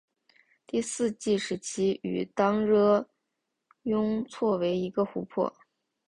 第四纪时期与当惹雍错为一个湖泊。